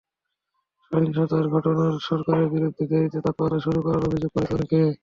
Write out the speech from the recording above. সহিংসতার ঘটনায় সরকারের বিরুদ্ধে দেরিতে তৎপরতা শুরু হওয়ার অভিযোগ করেছেন অনেকে।